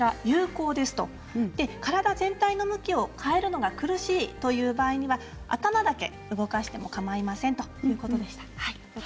体全体の向きを変えるのが苦しい場合は頭だけ動かしてもかまいませんということでした。